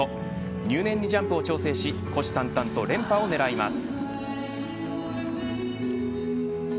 入念にジャンプを調整し虎視眈々と連覇を狙います。